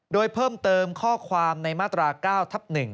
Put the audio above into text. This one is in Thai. โดยเพิ่มเติมข้อความในมาตรา๙ทับ๑